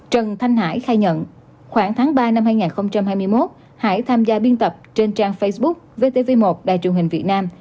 trần thanh hải khai nhận khoảng tháng ba năm hai nghìn hai mươi một hải tham gia biên tập trên trang facebook vtv một đài truyền hình việt nam